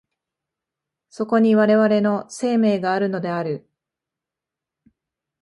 そこに我々の生命があるのである。